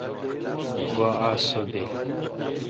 گوا آس سو بیل۔